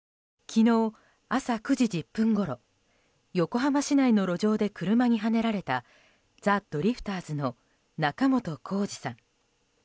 昨日、朝９時１０分ごろ横浜市内の路上で車にはねられたザ・ドリフターズの仲本工事さん。